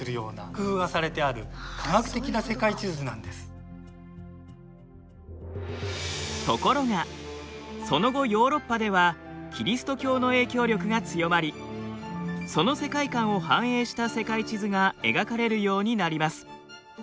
特に緯線は曲線で等間隔で描かれてありところがその後ヨーロッパではキリスト教の影響力が強まりその世界観を反映した世界地図が描かれるようになります。